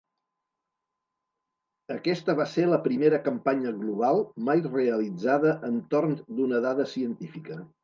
Aquesta va ser la primera campanya global mai realitzada entorn d'una dada científica.